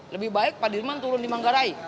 lebih baik pak dirman turun di manggarai